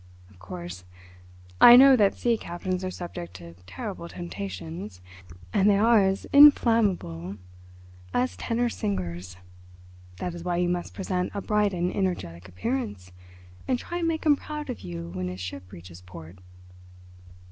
Of course, I know that sea captains are subject to terrible temptations, and they are as inflammable as tenor singers—that is why you must present a bright and energetic appearance, and try and make him proud of you when his ship reaches port."